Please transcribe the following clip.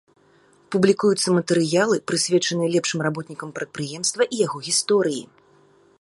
Публікуюцца матэрыялы, прысвечаныя лепшым работнікам прадпрыемства і яго гісторыі.